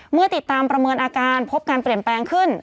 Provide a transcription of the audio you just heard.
เมื่อติดตามประเมินอาการพบการเปลี่ยนแปลงขึ้น